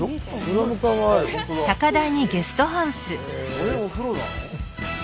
あれお風呂なの？